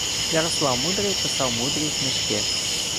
Ярослав Мудрий писав мудрі книжки